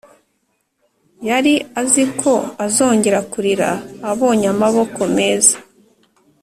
yari azi ko azongera kurira abonye amaboko meza,